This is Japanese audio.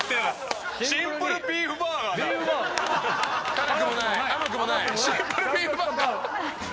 「辛くもない甘くもないシンプルビーフバーガー」。